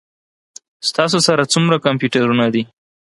ستاسو سره څومره کمپیوټرونه دي؟